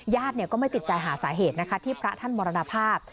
ก็ไม่ติดใจหาสาเหตุนะคะที่พระท่านมรณภาพ